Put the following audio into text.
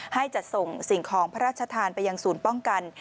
ให้จัดส่งสิ่งของพระราชทานไปยังศูนย์ป้องกัน